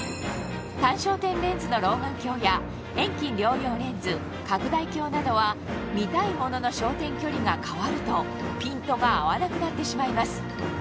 単焦点レンズの老眼鏡や遠近両用レンズ拡大鏡などは見たいものの焦点距離が変わるとピントが合わなくなってしまいます